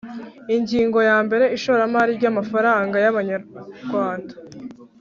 Ingingo yambere Ishoramari ry amafaranga yamanyarwanda